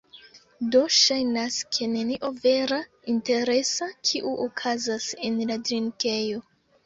Do, ŝajnas, ke nenio vera interesa, kiu okazas en la drinkejo